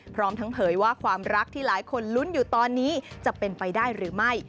พร้อมทั้งเผยว่าความรักที่หลายคนลุ้นอยู่ตอนนี้จะเป็นไปได้หรือไม่